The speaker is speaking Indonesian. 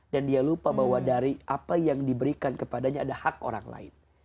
dan dia lupa bahwa dari apa yang diberikan kepadanya ada hak orang lain